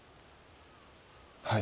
はい。